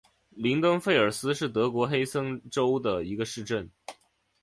林登费尔斯是德国黑森州的一个市镇。